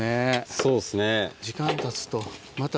そうですね。